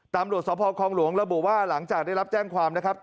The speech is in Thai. ตำรวจสภคองหลวงระบุว่าหลังจากได้รับแจ้งความนะครับ